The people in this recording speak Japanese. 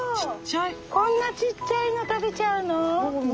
こんなちっちゃいの食べちゃうの？